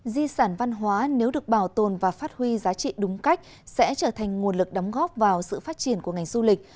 di sản văn hóa nếu được bảo tồn và phát huy giá trị đúng cách sẽ trở thành nguồn lực đóng góp vào sự phát triển của ngành du lịch